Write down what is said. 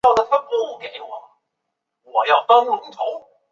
金星鞘群海葵为鞘群海葵科鞘群海葵属的动物。